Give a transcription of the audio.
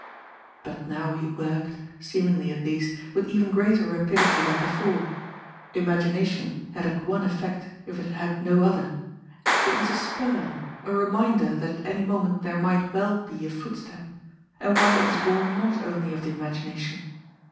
But now he worked, seemingly at least, with even greater rapidity than before. Imagination had had one effect, if it had had no other it was a spur, a reminder that at any moment there might well be a footstep, and one that was born only of the imagination!